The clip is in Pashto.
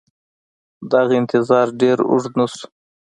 دغه انتظار ډېر اوږد نه شو.